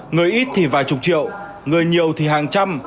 người ít thì vài chục triệu người nhiều thì hàng trăm